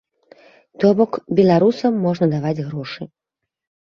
То бок, беларусам можна даваць грошы.